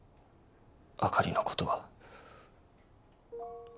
あかりのことが。